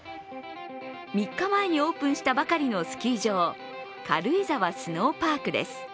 ３日前にオープンしたばかりのスキー場、軽井沢スノーパークです。